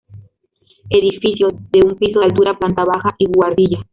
Edificio de un piso de altura, planta baja y buhardilla.